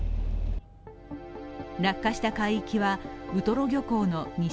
落下した海域はウトロ漁港の西